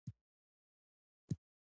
ماشومانو او سپین ږیرو هم کارونه کول.